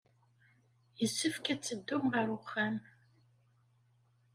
Yessefk ad teddum ɣer uxxam.